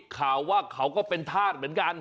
ข่าวว่าเขาก็เป็นธาตุเหมือนกัน